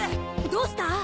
どうした？